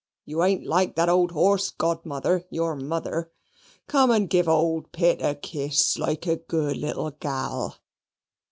You ain't like that old horse godmother, your mother. Come and give old Pitt a kiss, like a good little gal."